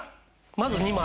まず２枚。